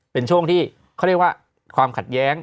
เป็นช่วงที่ความขัดแย้ง